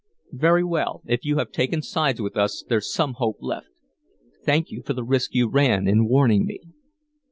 "Very well. If you have taken sides with us there's some hope left. Thank you for the risk you ran in warning me."